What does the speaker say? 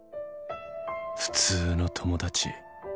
普通の友達